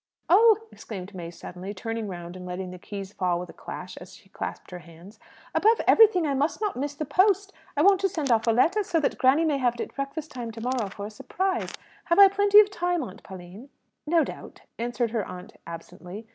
"Oh!" exclaimed May suddenly, turning round and letting the keys fall with a clash as she clasped her hands, "above everything I must not miss the post! I want to send off a letter, so that granny may have it at breakfast time to morrow for a surprise. Have I plenty of time, Aunt Pauline?" "No doubt," answered her aunt absently.